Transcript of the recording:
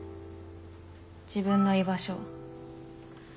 自分の居場所